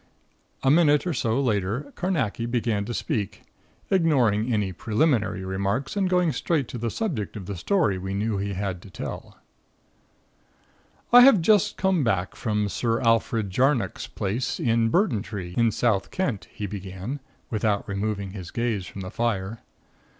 A minute or so later Carnacki began to speak, ignoring any preliminary remarks, and going straight to the subject of the story we knew he had to tell: "I have just come back from Sir Alfred Jarnock's place at Burtontree, in South Kent," he began, without removing his gaze from the fire.